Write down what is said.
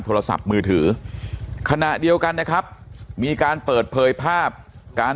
โทรศัพท์มือถือขณะเดียวกันนะครับมีการเปิดเผยภาพการ